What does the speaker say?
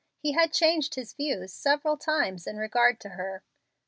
He had changed his views several times in regard to her.